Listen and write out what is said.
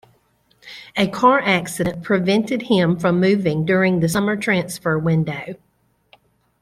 A car accident prevented him from moving during the summer transfer window.